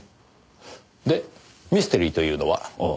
でミステリーというのは？